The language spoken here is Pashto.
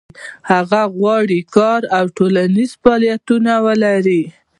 هغه غواړي کار او ټولنیز فعالیت ولري.